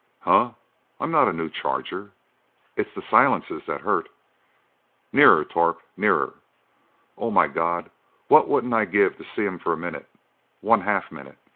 "Huh! I'm not a new charger. It's the silences that hurt. Nearer, Torp!—nearer! Oh, my God, what wouldn't I give to see 'em for a minute!—one half minute!"